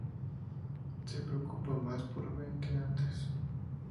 Se preocupa más por Ben que antes.